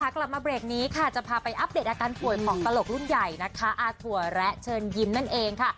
กลับมาเบรกนี้ค่ะจะพาไปอัปเดตอาการป่วยของตลกรุ่นใหญ่นะคะอาถั่วและเชิญยิ้มนั่นเองค่ะ